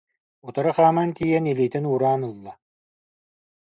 утары хааман тиийэн, илиитин уураан ылла